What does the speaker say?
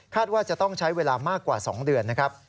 ว่าจะต้องใช้เวลามากกว่า๒เดือนนะครับ